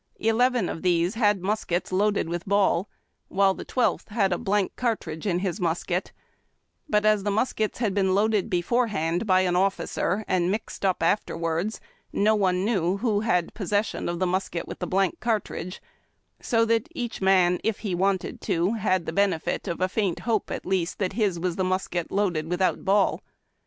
Eleven of these had muskets loaded with ball, while the twelfth had a blank cartridge in his muskat; but as the muskets had been loaded beforehand by an officer, and mixed up afterwards, no one knew who had possession of the mus ket with the blank cartridge, so that each man, if he wanted it, had the benefit of a faint hope, at least, that his Avas the musket loaded without ball.